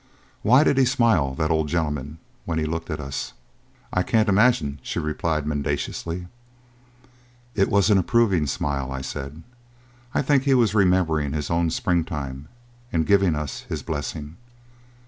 "Why did he smile that old gentleman when he looked at us?" "I can't imagine," she replied mendaciously. "It was an approving smile," I said. "I think he was remembering his own spring time and giving us his blessing."